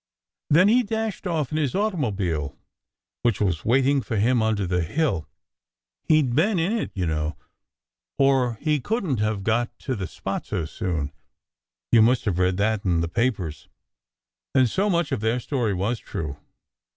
Then he dashed off in his automobile, which was waiting for him under the hill (he d been in it, you know, or he couldn t have got to the spot so soon) ; you must have read that in the papers; and so much of their story was true.